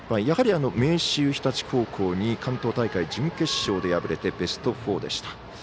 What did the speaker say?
やはり明秀日立高校に関東大会準決勝で敗れてベスト４でした。